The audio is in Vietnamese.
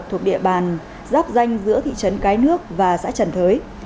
thuộc địa bàn giáp danh giữa thị trấn cái nước và xã trần thới